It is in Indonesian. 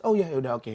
oh ya yaudah oke